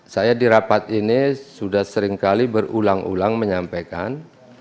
saya di rapat ini sudah seringkali berulang ulang menyampaikan